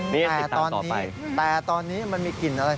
นี่ติดตามต่อไปแต่ตอนนี้มันมีกลิ่นอะไร